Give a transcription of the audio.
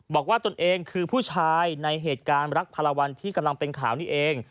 ตนเองคือผู้ชายในเหตุการณ์รักพาราวันที่กำลังเป็นข่าวนี้เอง